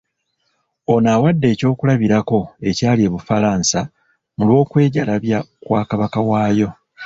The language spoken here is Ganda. Ono awadde ekyokulabirako ekyali e Bufalansa mu olw’okwejalabya kwa Kabaka waayo.